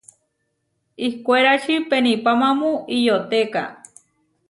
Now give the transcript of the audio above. Ihkwérači penipámamu Iʼyotéka.